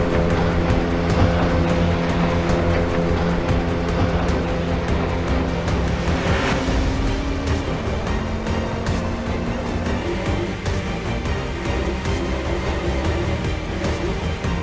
terima kasih atas dukungan anda